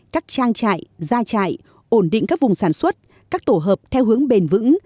các trang trại gia trại ổn định các vùng sản xuất các tổ hợp theo hướng bền vững